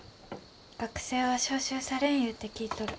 学生は召集されんいうて聞いとる。